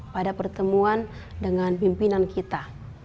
pada pertemuan dengan pimpinan kita